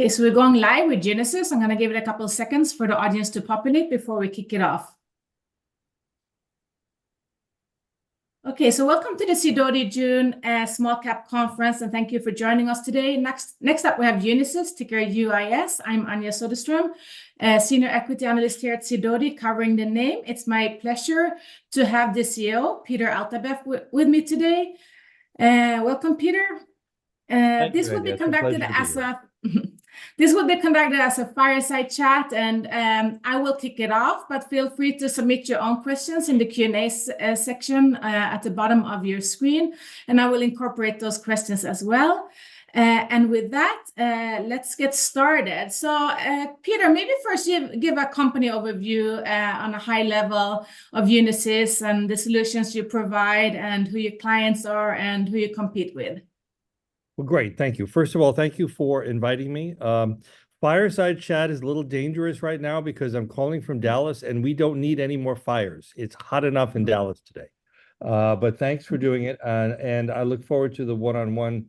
Okay, so we're going live with Unisys. I'm going to give it a couple of seconds for the audience to pop in it before we kick it off. Okay, so welcome to the Sidoti & Company June Small Cap Conference, and thank you for joining us today. Next up, we have Unisys ticker UIS. I'm Anja Soderstrom, Senior Equity Analyst here at Sidoti & Company, covering the name. It's my pleasure to have the CEO, Peter Altabef, with me today. Welcome, Peter. Thank you. This will be conducted as a fireside chat, and I will kick it off, but feel free to submit your own questions in the Q&A section at the bottom of your screen, and I will incorporate those questions as well. And with that, let's get started. So, Peter, maybe first give a company overview on a high level of Unisys and the solutions you provide and who your clients are and who you compete with. Well, great. Thank you. First of all, thank you for inviting me. Fireside chat is a little dangerous right now because I'm calling from Dallas, and we don't need any more fires. It's hot enough in Dallas today. But thanks for doing it, and I look forward to the one-on-one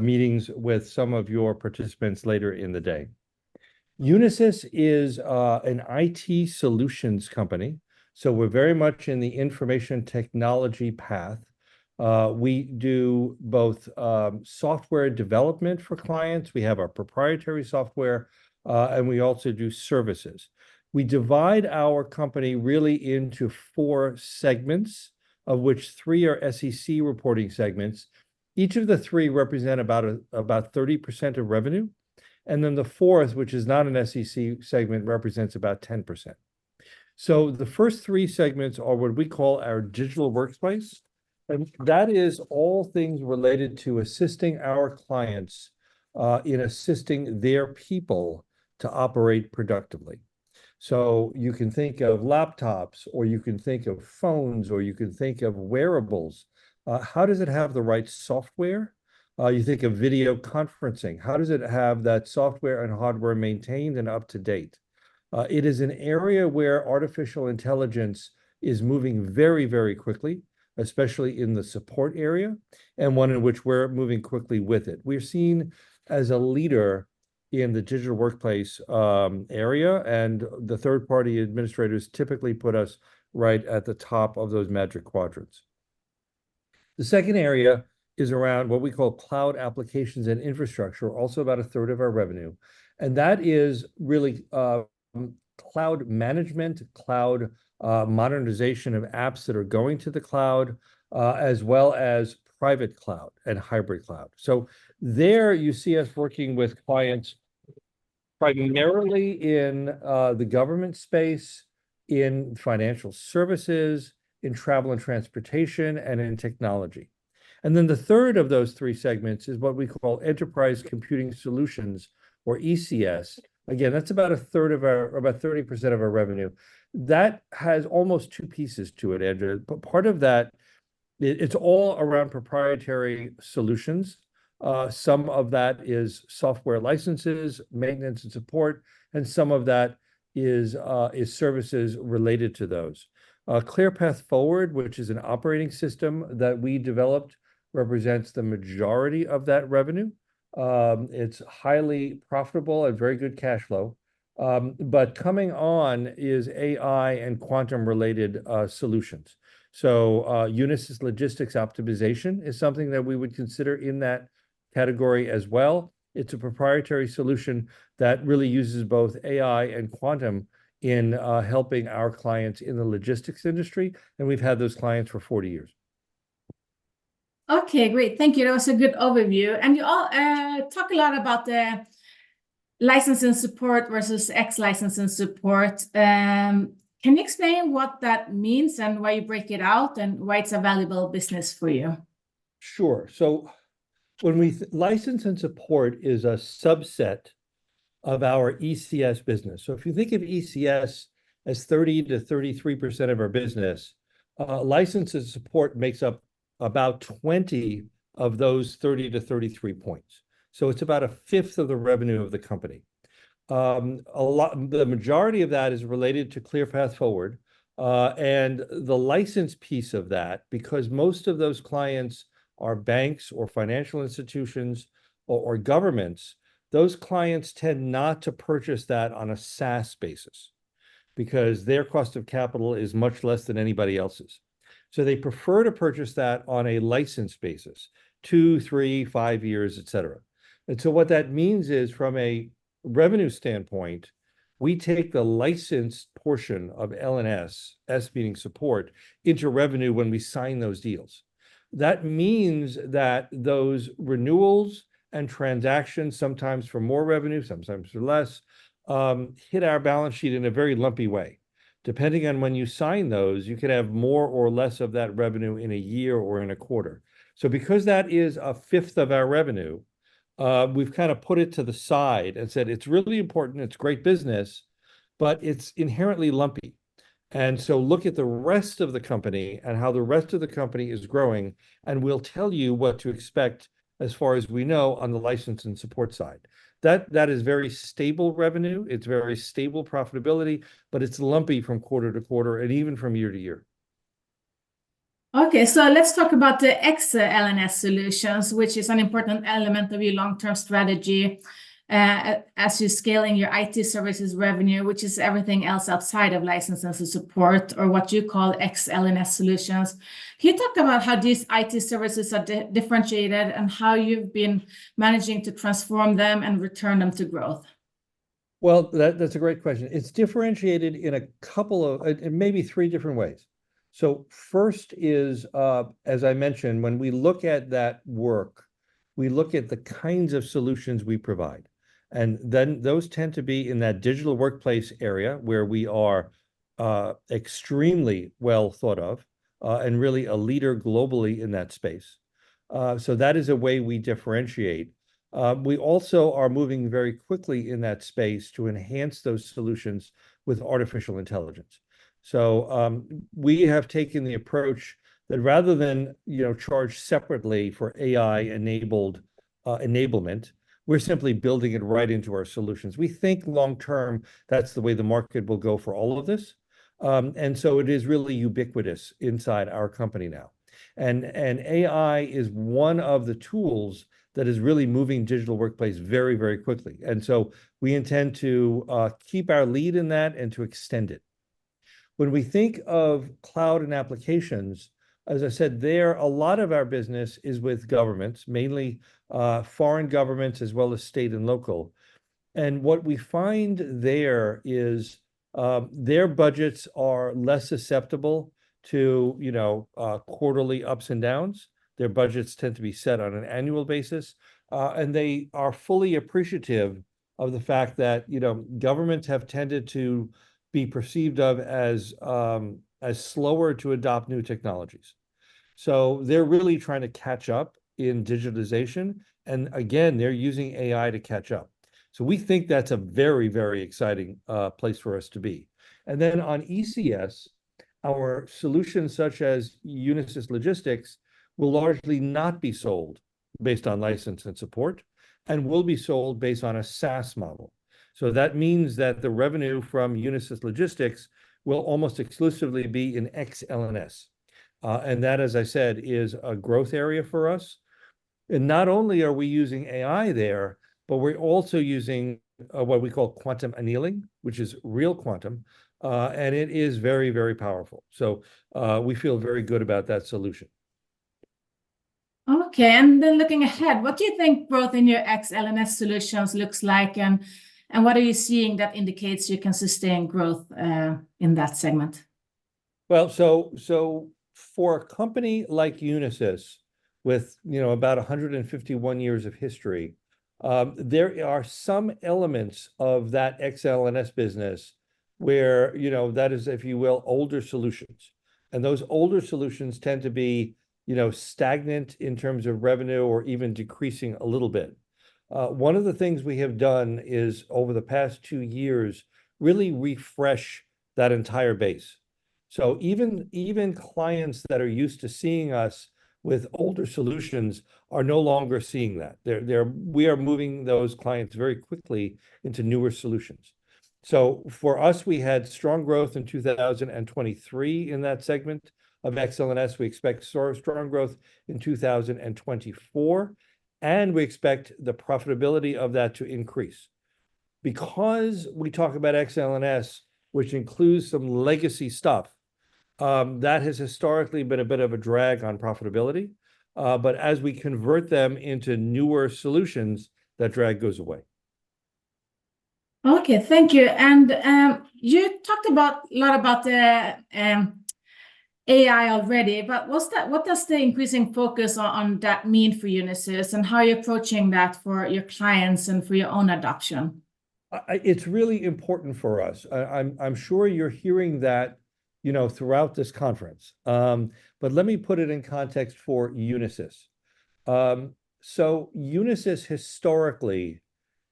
meetings with some of your participants later in the day. Unisys is an IT solutions company, so we're very much in the information technology path. We do both software development for clients. We have our proprietary software, and we also do services. We divide our company really into four segments, of which three are SEC reporting segments. Each of the three represents about 30% of revenue, and then the fourth, which is not an SEC segment, represents about 10%. So the first three segments are what we call our Digital Workplace, and that is all things related to assisting our clients in assisting their people to operate productively. So you can think of laptops, or you can think of phones, or you can think of wearables. How does it have the right software? You think of video conferencing. How does it have that software and hardware maintained and up to date? It is an area where artificial intelligence is moving very, very quickly, especially in the support area and one in which we're moving quickly with it. We're seen as a leader in the digital workplace area, and the third-party administrators typically put us right at the top of those Magic Quadrants. The second area is around what we call Cloud, Applications & Infrastructure, also about a third of our revenue. That is really cloud management, cloud modernization of apps that are going to the cloud, as well as private cloud and hybrid cloud. So there you see us working with clients primarily in the government space, in financial services, in travel and transportation, and in technology. And then the third of those three segments is what we call Enterprise Computing Solutions, or ECS. Again, that's about a third of our—or about 30% of our revenue. That has almost two pieces to it, Anja. But part of that, it's all around proprietary solutions. Some of that is software licenses, maintenance, and support, and some of that is services related to those. ClearPath Forward, which is an operating system that we developed, represents the majority of that revenue. It's highly profitable and very good cash flow. But coming on is AI and quantum-related solutions. Unisys Logistics Optimization is something that we would consider in that category as well. It's a proprietary solution that really uses both AI and quantum in helping our clients in the logistics industry, and we've had those clients for 40 years. Okay, great. Thank you. That was a good overview. You all talk a lot about the License and Support versus Ex-License and Support. Can you explain what that means and why you break it out and why it's a valuable business for you? Sure. So License and Support is a subset of our ECS business. So if you think of ECS as 30%-33% of our business, License and Support makes up about 20 of those 30-33 points. So it's about a fifth of the revenue of the company. The majority of that is related to ClearPath Forward. And the license piece of that, because most of those clients are banks or financial institutions or governments, those clients tend not to purchase that on a SaaS basis because their cost of capital is much less than anybody else's. So they prefer to purchase that on a license basis: 2, 3, 5 years, etc. And so what that means is, from a revenue standpoint, we take the licensed portion of L&S, S meaning support, into revenue when we sign those deals. That means that those renewals and transactions, sometimes for more revenue, sometimes for less, hit our balance sheet in a very lumpy way. Depending on when you sign those, you can have more or less of that revenue in a year or in a quarter. So because that is a fifth of our revenue, we've kind of put it to the side and said, "It's really important. It's great business, but it's inherently lumpy." And so look at the rest of the company and how the rest of the company is growing, and we'll tell you what to expect as far as we know on the License and Support side. That is very stable revenue. It's very stable profitability, but it's lumpy from quarter to quarter and even from year to year. Okay, so let's talk about the Ex-L&S solutions, which is an important element of your long-term strategy as you scale in your IT services revenue, which is everything else outside of License and Support or what you call Ex-L&S solutions. Can you talk about how these IT services are differentiated and how you've been managing to transform them and return them to growth? Well, that's a great question. It's differentiated in a couple of, maybe three different ways. So first is, as I mentioned, when we look at that work, we look at the kinds of solutions we provide. And then those tend to be in that digital workplace area where we are extremely well thought of and really a leader globally in that space. So that is a way we differentiate. We also are moving very quickly in that space to enhance those solutions with artificial intelligence. So we have taken the approach that rather than charge separately for AI-enabled enablement, we're simply building it right into our solutions. We think long-term that's the way the market will go for all of this. And so it is really ubiquitous inside our company now. And AI is one of the tools that is really moving digital workplace very, very quickly. And so we intend to keep our lead in that and to extend it. When we think of cloud and applications, as I said, a lot of our business is with governments, mainly foreign governments, as well as state and local. And what we find there is their budgets are less susceptible to quarterly ups and downs. Their budgets tend to be set on an annual basis, and they are fully appreciative of the fact that governments have tended to be perceived as slower to adopt new technologies. So they're really trying to catch up in digitization. And again, they're using AI to catch up. So we think that's a very, very exciting place for us to be. And then on ECS, our solutions such as Unisys Logistics will largely not be sold based on License and Support and will be sold based on a SaaS model. That means that the revenue from Unisys Logistics will almost exclusively be in Ex-L&S. That, as I said, is a growth area for us. Not only are we using AI there, but we're also using what we call quantum annealing, which is real quantum, and it is very, very powerful. We feel very good about that solution. Okay, and then looking ahead, what do you think growth in your Ex-L&S solutions looks like, and what are you seeing that indicates you can sustain growth in that segment? Well, so for a company like Unisys, with about 151 years of history, there are some elements of that Ex-L&S business where that is, if you will, older solutions. And those older solutions tend to be stagnant in terms of revenue or even decreasing a little bit. One of the things we have done is, over the past two years, really refresh that entire base. So even clients that are used to seeing us with older solutions are no longer seeing that. We are moving those clients very quickly into newer solutions. So for us, we had strong growth in 2023 in that segment of Ex-L&S. We expect strong growth in 2024, and we expect the profitability of that to increase. Because we talk about Ex-L&S, which includes some legacy stuff, that has historically been a bit of a drag on profitability. But as we convert them into newer solutions, that drag goes away. Okay, thank you. You talked a lot about AI already, but what does the increasing focus on that mean for Unisys and how are you approaching that for your clients and for your own adoption? It's really important for us. I'm sure you're hearing that throughout this conference. But let me put it in context for Unisys. So Unisys historically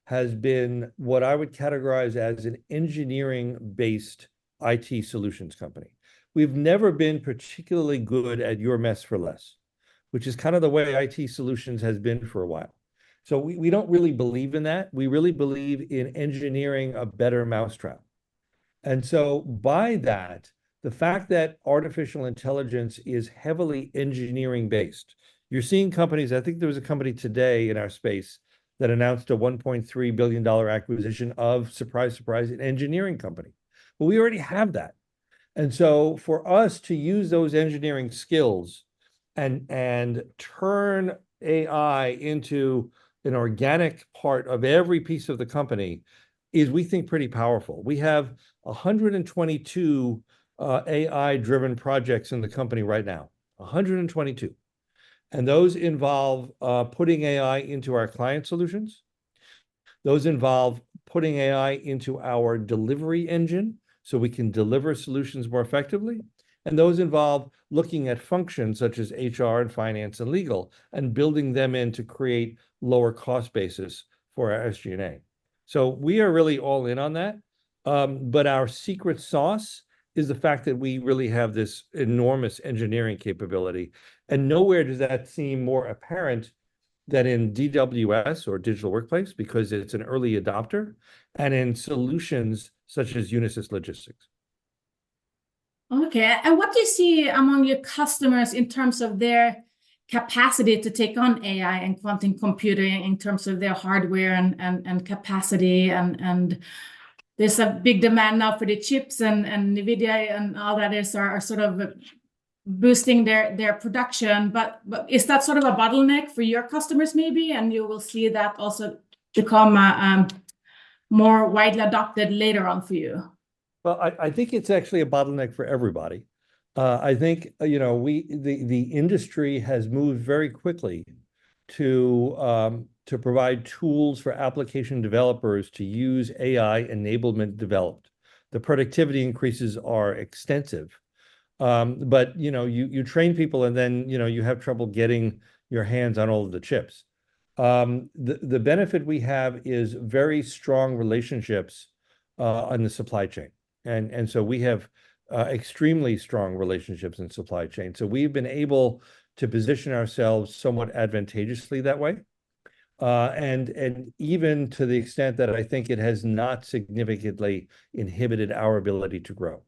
has been what I would categorize as an engineering-based IT solutions company. We've never been particularly good at your mess for less, which is kind of the way IT solutions has been for a while. So we don't really believe in that. We really believe in engineering a better mousetrap. And so by that, the fact that artificial intelligence is heavily engineering-based, you're seeing companies, I think there was a company today in our space that announced a $1.3 billion acquisition of, surprise, surprise, an engineering company. But we already have that. And so for us to use those engineering skills and turn AI into an organic part of every piece of the company is, we think, pretty powerful. We have 122 AI-driven projects in the company right now. 122. Those involve putting AI into our client solutions. Those involve putting AI into our delivery engine so we can deliver solutions more effectively. Those involve looking at functions such as HR and finance and legal and building them in to create lower cost basis for our SG&A. We are really all in on that. Our secret sauce is the fact that we really have this enormous engineering capability. Nowhere does that seem more apparent than in DWS or Digital Workplace because it's an early adopter and in solutions such as Unisys Logistics. Okay, and what do you see among your customers in terms of their capacity to take on AI and quantum computing in terms of their hardware and capacity? And there's a big demand now for the chips and NVIDIA and all others are sort of boosting their production. But is that sort of a bottleneck for your customers maybe? And you will see that also become more widely adopted later on for you? Well, I think it's actually a bottleneck for everybody. I think the industry has moved very quickly to provide tools for application developers to use AI enablement developed. The productivity increases are extensive. But you train people and then you have trouble getting your hands on all of the chips. The benefit we have is very strong relationships on the supply chain. And so we have extremely strong relationships in supply chain. So we've been able to position ourselves somewhat advantageously that way. And even to the extent that I think it has not significantly inhibited our ability to grow.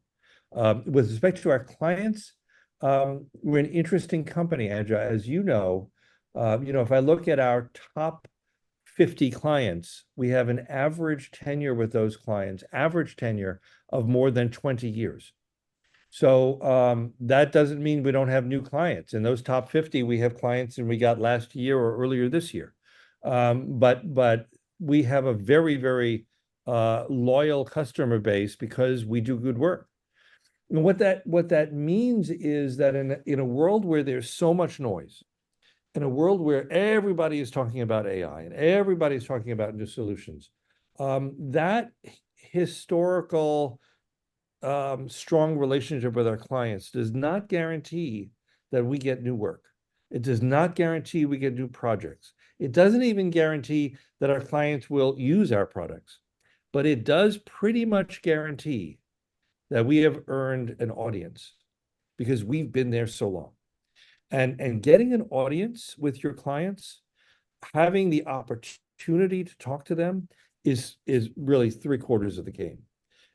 With respect to our clients, we're an interesting company, Anja. As you know, if I look at our top 50 clients, we have an average tenure with those clients, average tenure of more than 20 years. So that doesn't mean we don't have new clients. In those top 50, we have clients that we got last year or earlier this year. But we have a very, very loyal customer base because we do good work. And what that means is that in a world where there's so much noise, in a world where everybody is talking about AI and everybody's talking about new solutions, that historical strong relationship with our clients does not guarantee that we get new work. It does not guarantee we get new projects. It doesn't even guarantee that our clients will use our products. But it does pretty much guarantee that we have earned an audience because we've been there so long. And getting an audience with your clients, having the opportunity to talk to them is really three quarters of the game.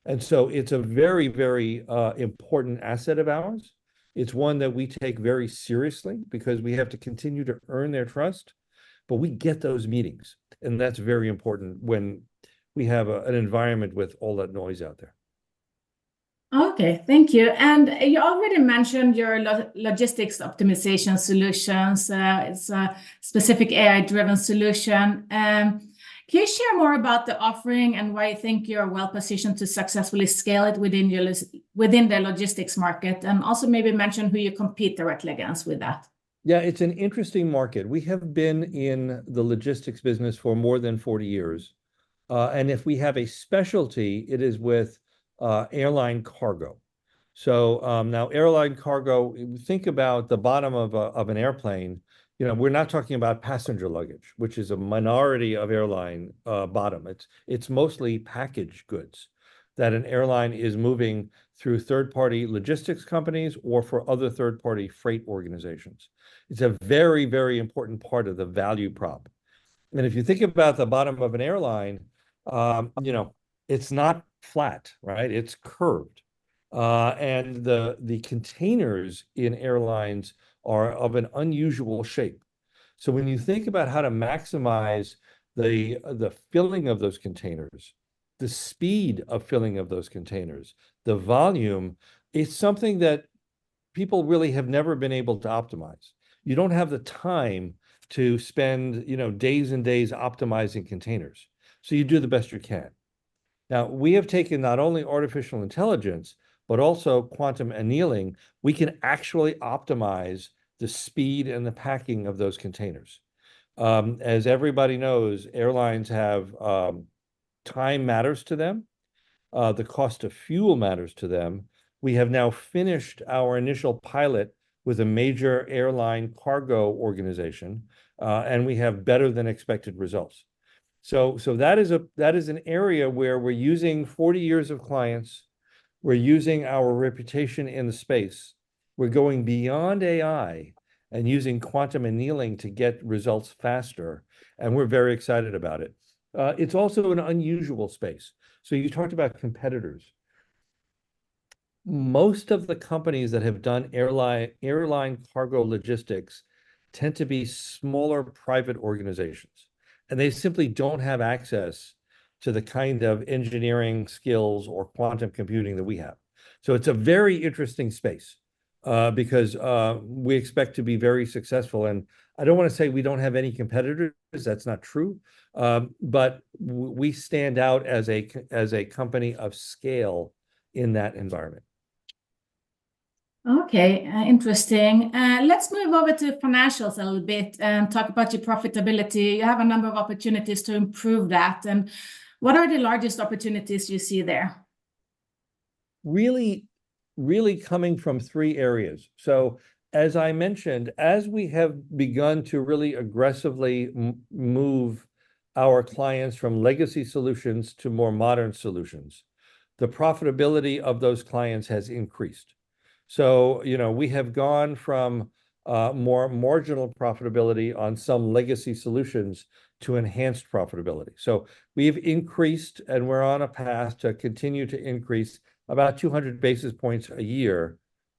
And so it's a very, very important asset of ours. It's one that we take very seriously because we have to continue to earn their trust. But we get those meetings, and that's very important when we have an environment with all that noise out there. Okay, thank you. And you already mentioned your logistics optimization solutions. It's a specific AI-driven solution. Can you share more about the offering and why you think you're well positioned to successfully scale it within the logistics market? And also maybe mention who you compete directly against with that. Yeah, it's an interesting market. We have been in the logistics business for more than 40 years. And if we have a specialty, it is with airline cargo. So now airline cargo, think about the bottom of an airplane. We're not talking about passenger luggage, which is a minority of airline bottom. It's mostly package goods that an airline is moving through third-party logistics companies or for other third-party freight organizations. It's a very, very important part of the value prop. And if you think about the bottom of an airline, it's not flat, right? It's curved. And the containers in airlines are of an unusual shape. So when you think about how to maximize the filling of those containers, the speed of filling of those containers, the volume, it's something that people really have never been able to optimize. You don't have the time to spend days and days optimizing containers. So you do the best you can. Now, we have taken not only artificial intelligence, but also quantum annealing. We can actually optimize the speed and the packing of those containers. As everybody knows, airlines have time matters to them. The cost of fuel matters to them. We have now finished our initial pilot with a major airline cargo organization, and we have better than expected results. So that is an area where we're using 40 years of clients. We're using our reputation in the space. We're going beyond AI and using quantum annealing to get results faster. And we're very excited about it. It's also an unusual space. So you talked about competitors. Most of the companies that have done airline cargo logistics tend to be smaller private organizations. And they simply don't have access to the kind of engineering skills or quantum computing that we have. So it's a very interesting space because we expect to be very successful. And I don't want to say we don't have any competitors. That's not true. But we stand out as a company of scale in that environment. Okay, interesting. Let's move over to financials a little bit and talk about your profitability. You have a number of opportunities to improve that. What are the largest opportunities you see there? Really, really coming from three areas. So as I mentioned, as we have begun to really aggressively move our clients from legacy solutions to more modern solutions, the profitability of those clients has increased. So we have gone from more marginal profitability on some legacy solutions to enhanced profitability. So we've increased, and we're on a path to continue to increase about 200 basis points a year,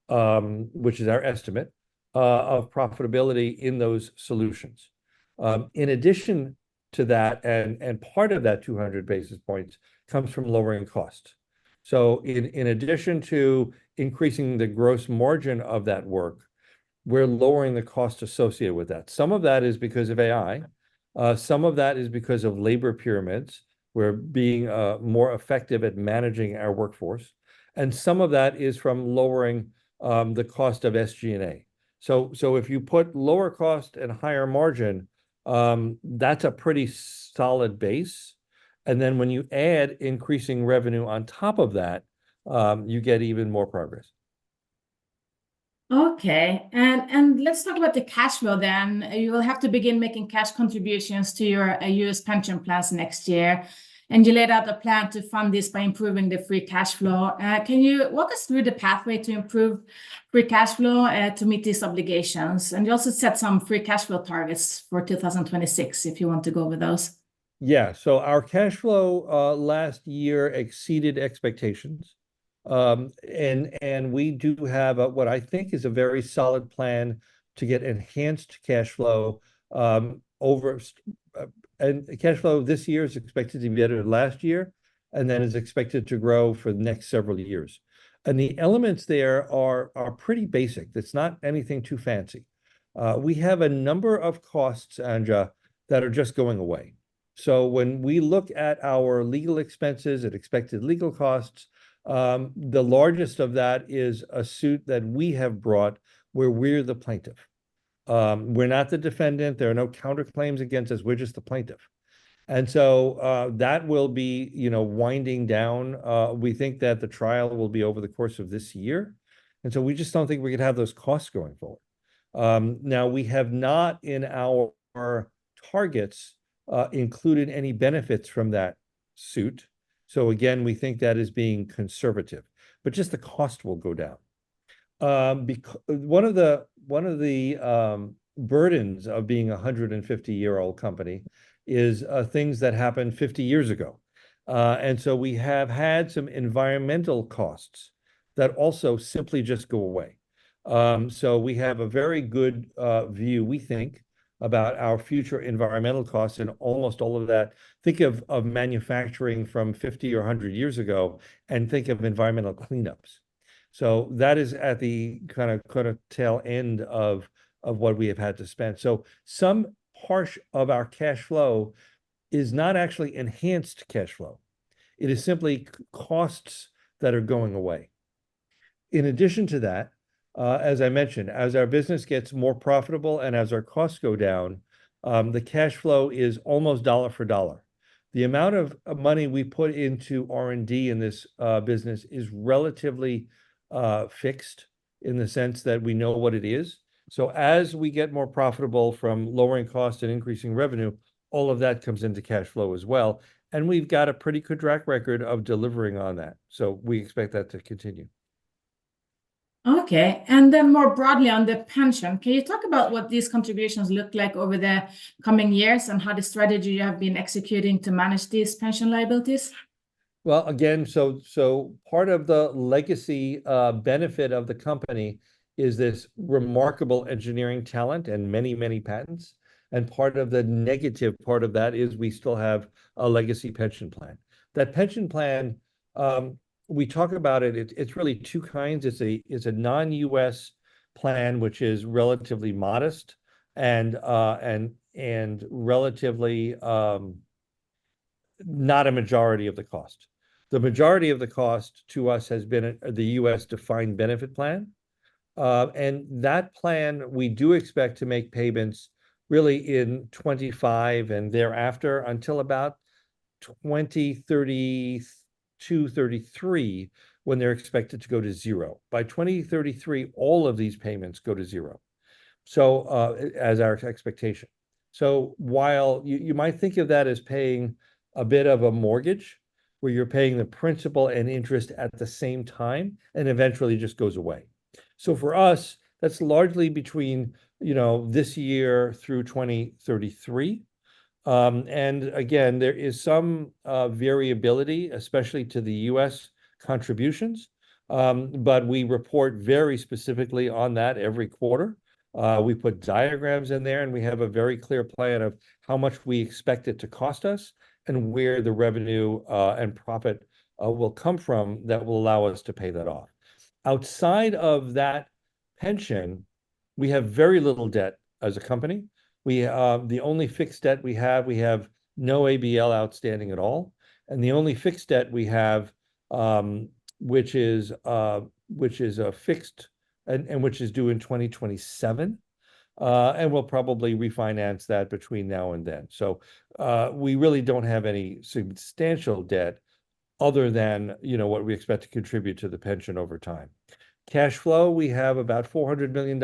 which is our estimate of profitability in those solutions. In addition to that, and part of that 200 basis points comes from lowering costs. So in addition to increasing the gross margin of that work, we're lowering the cost associated with that. Some of that is because of AI. Some of that is because of labor pyramids. We're being more effective at managing our workforce. And some of that is from lowering the cost of SG&A. If you put lower cost and higher margin, that's a pretty solid base. Then when you add increasing revenue on top of that, you get even more progress. Okay, and let's talk about the cash flow then. You will have to begin making cash contributions to your U.S. pension plans next year. You laid out a plan to fund this by improving the free cash flow. Can you walk us through the pathway to improve free cash flow to meet these obligations? You also set some free cash flow targets for 2026 if you want to go with those. Yeah, so our cash flow last year exceeded expectations. And we do have what I think is a very solid plan to get enhanced cash flow. And cash flow this year is expected to be better than last year. And then it's expected to grow for the next several years. And the elements there are pretty basic. It's not anything too fancy. We have a number of costs, Anja, that are just going away. So when we look at our legal expenses and expected legal costs, the largest of that is a suit that we have brought where we're the plaintiff. We're not the defendant. There are no counterclaims against us. We're just the plaintiff. And so that will be winding down. We think that the trial will be over the course of this year. And so we just don't think we could have those costs going forward. Now, we have not in our targets included any benefits from that suit. So again, we think that is being conservative. But just the cost will go down. One of the burdens of being a 150-year-old company is things that happened 50 years ago. And so we have had some environmental costs that also simply just go away. So we have a very good view, we think, about our future environmental costs and almost all of that. Think of manufacturing from 50 or 100 years ago and think of environmental cleanups. So that is at the kind of tail end of what we have had to spend. So some part of our cash flow is not actually enhanced cash flow. It is simply costs that are going away. In addition to that, as I mentioned, as our business gets more profitable and as our costs go down, the cash flow is almost dollar for dollar. The amount of money we put into R&D in this business is relatively fixed in the sense that we know what it is. So as we get more profitable from lowering costs and increasing revenue, all of that comes into cash flow as well. And we've got a pretty good track record of delivering on that. So we expect that to continue. Okay, and then more broadly on the pension, can you talk about what these contributions look like over the coming years and how the strategy you have been executing to manage these pension liabilities? Well, again, so part of the legacy benefit of the company is this remarkable engineering talent and many, many patents. And part of the negative part of that is we still have a legacy pension plan. That pension plan, we talk about it, it's really two kinds. It's a non-U.S. plan, which is relatively modest and relatively not a majority of the cost. The majority of the cost to us has been the U.S. defined benefit plan. And that plan, we do expect to make payments really in 2025 and thereafter until about 2032, 2033 when they're expected to go to zero. By 2033, all of these payments go to zero. So as our expectation. So while you might think of that as paying a bit of a mortgage where you're paying the principal and interest at the same time, and eventually it just goes away. So for us, that's largely between this year through 2033. Again, there is some variability, especially to the U.S. contributions. But we report very specifically on that every quarter. We put diagrams in there, and we have a very clear plan of how much we expect it to cost us and where the revenue and profit will come from that will allow us to pay that off. Outside of that pension, we have very little debt as a company. The only fixed debt we have, we have no ABL outstanding at all. And the only fixed debt we have, which is a fixed and which is due in 2027. And we'll probably refinance that between now and then. So we really don't have any substantial debt other than what we expect to contribute to the pension over time. Cash flow, we have about $400 million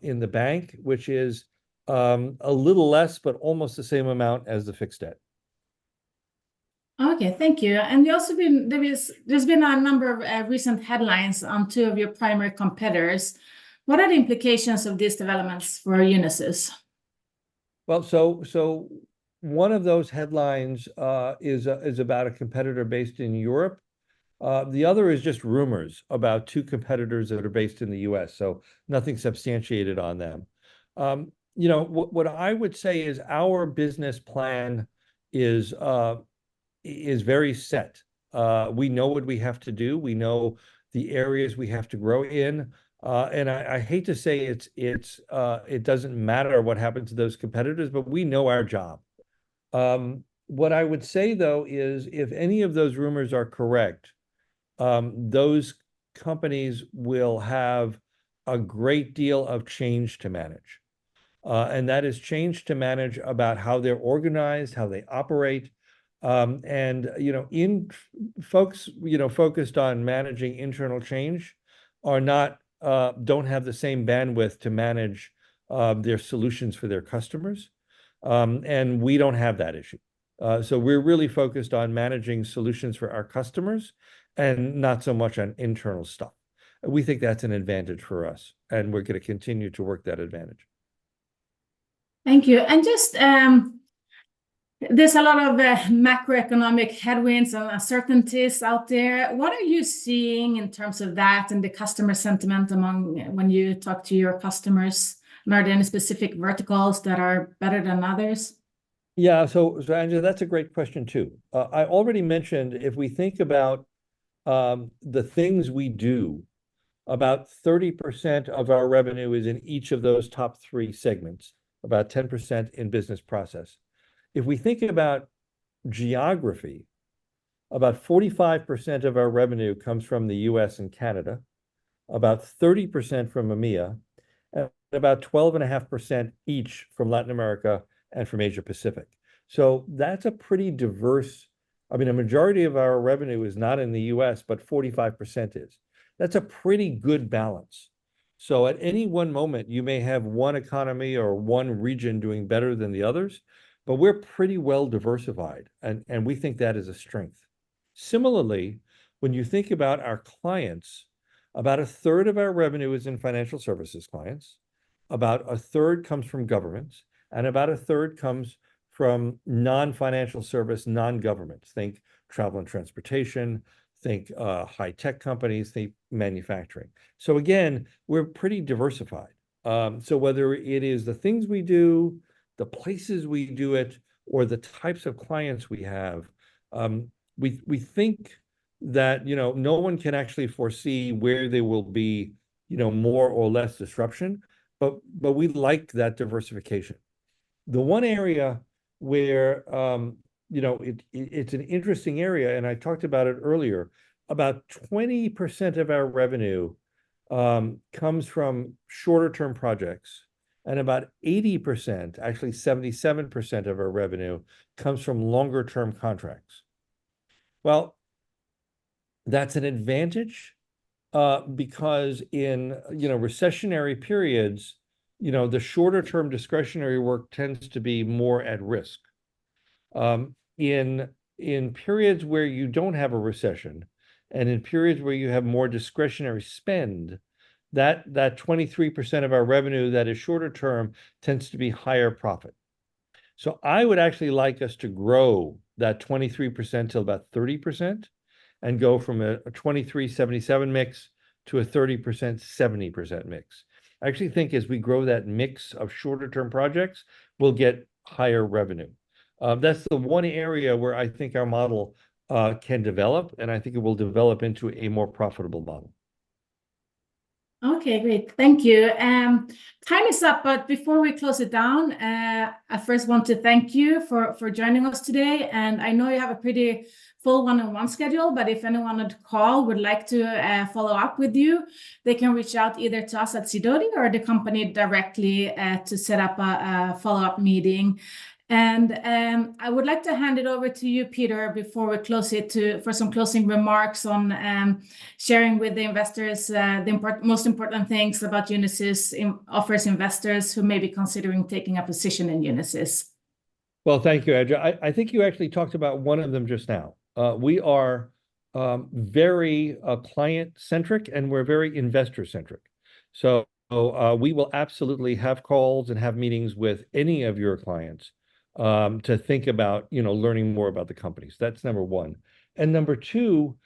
in the bank, which is a little less, but almost the same amount as the fixed debt. Okay, thank you. There's been a number of recent headlines on two of your primary competitors. What are the implications of these developments for Unisys? Well, so one of those headlines is about a competitor based in Europe. The other is just rumors about two competitors that are based in the U.S. So nothing substantiated on them. What I would say is our business plan is very set. We know what we have to do. We know the areas we have to grow in. And I hate to say it doesn't matter what happens to those competitors, but we know our job. What I would say, though, is if any of those rumors are correct, those companies will have a great deal of change to manage. And that is change to manage about how they're organized, how they operate. And folks focused on managing internal change don't have the same bandwidth to manage their solutions for their customers. And we don't have that issue. We're really focused on managing solutions for our customers and not so much on internal stuff. We think that's an advantage for us. We're going to continue to work that advantage. Thank you. Just there's a lot of macroeconomic headwinds and uncertainties out there. What are you seeing in terms of that and the customer sentiment when you talk to your customers? Are there any specific verticals that are better than others? Yeah, so Anja, that's a great question too. I already mentioned if we think about the things we do, about 30% of our revenue is in each of those top three segments, about 10% in business process. If we think about geography, about 45% of our revenue comes from the U.S. and Canada, about 30% from EMEA, and about 12.5% each from Latin America and from Asia Pacific. So that's a pretty diverse I mean, a majority of our revenue is not in the U.S., but 45% is. That's a pretty good balance. So at any one moment, you may have one economy or one region doing better than the others. But we're pretty well diversified. And we think that is a strength. Similarly, when you think about our clients, about a third of our revenue is in financial services clients. About a third comes from governments. And about a third comes from non-financial service, non-governments. Think travel and transportation. Think high-tech companies. Think manufacturing. So again, we're pretty diversified. So whether it is the things we do, the places we do it, or the types of clients we have, we think that no one can actually foresee where there will be more or less disruption. But we like that diversification. The one area where it's an interesting area, and I talked about it earlier, about 20% of our revenue comes from shorter-term projects. And about 80%, actually 77% of our revenue comes from longer-term contracts. Well, that's an advantage because in recessionary periods, the shorter-term discretionary work tends to be more at risk. In periods where you don't have a recession and in periods where you have more discretionary spend, that 23% of our revenue that is shorter-term tends to be higher profit. I would actually like us to grow that 23% to about 30% and go from a 23%-77% mix to a 30%-70% mix. I actually think as we grow that mix of shorter-term projects, we'll get higher revenue. That's the one area where I think our model can develop. I think it will develop into a more profitable model. Okay, great. Thank you. Time is up. Before we close it down, I first want to thank you for joining us today. I know you have a pretty full one-on-one schedule. If anyone at the call would like to follow up with you, they can reach out either to us at Sidoti or the company directly to set up a follow-up meeting. I would like to hand it over to you, Peter, before we close it for some closing remarks on sharing with the investors the most important things about Unisys offers investors who may be considering taking a position in Unisys. Well, thank you, Anja. I think you actually talked about one of them just now. We are very client-centric, and we're very investor-centric. So we will absolutely have calls and have meetings with any of your clients to think about learning more about the companies. That's number one. Number two,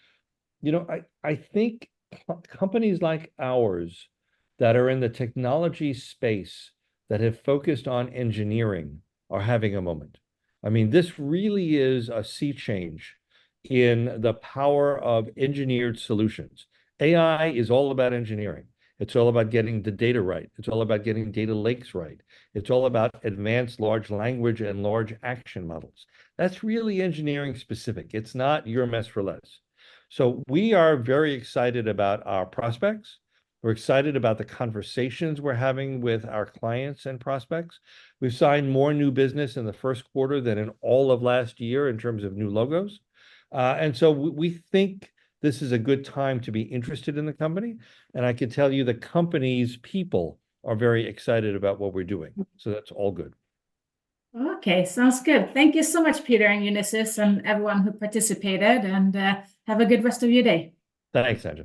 I think companies like ours that are in the technology space that have focused on engineering are having a moment. I mean, this really is a sea change in the power of engineered solutions. AI is all about engineering. It's all about getting the data right. It's all about getting data lakes right. It's all about advanced large language and large action models. That's really engineering specific. It's not your mess for less. So we are very excited about our prospects. We're excited about the conversations we're having with our clients and prospects. We've signed more new business in the first quarter than in all of last year in terms of new logos. So we think this is a good time to be interested in the company. I can tell you the company's people are very excited about what we're doing. So that's all good. Okay, sounds good. Thank you so much, Peter and Unisys, and everyone who participated. Have a good rest of your day. Thanks, Anja.